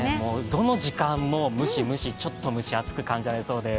どの時間もムシムシ、ちょっと蒸し暑く感じられそうです。